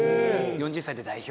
４０歳で代表。